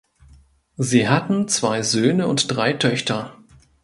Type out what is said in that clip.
Sie hatten zwei Söhne und drei Töchter.